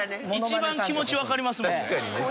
一番気持ちわかりますもんね。